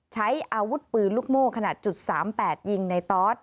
ใช้อาวุธปืนลูกโม่ขนาด๓๘ยิงในตอส